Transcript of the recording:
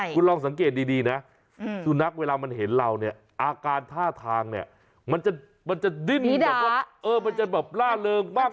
คุณลองสังเกตดีนะสุนัขเวลามันเห็นเราเนี่ยอาการท่าทางเนี่ยมันจะดิ้นแบบว่ามันจะแบบล่าเริงมาก